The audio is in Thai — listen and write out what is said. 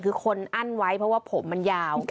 คือคนอั้นไว้เพราะว่าผมมันยาว